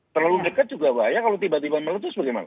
terlalu dekat juga pak ya kalau tiba tiba meletus bagaimana